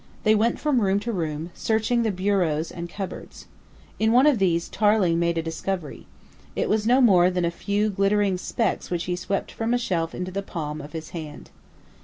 They went from room to room, searching the bureaux and cupboards. In one of these Tarling made a discovery. It was no more than a few glittering specks which he swept from a shelf into the palm of his hand.